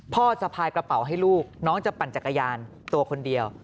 สะพายกระเป๋าให้ลูกน้องจะปั่นจักรยานตัวคนเดียว